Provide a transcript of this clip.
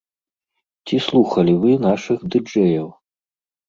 Ці слухалі вы нашых ды-джэяў?